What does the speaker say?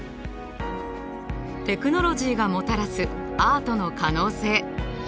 テクノロジーがもたらすアートの可能性。